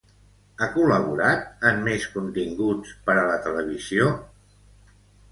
Ha col·laborat en més continguts per a la televisió?